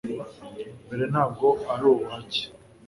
mbere, ntabwo ari ubuhake